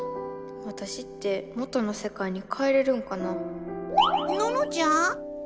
わたしって元のせかいに帰れるんかなののちゃん？